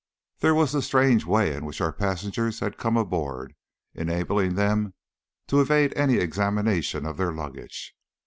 There was the strange way in which our passengers had come aboard, enabling them to evade any examination of their luggage.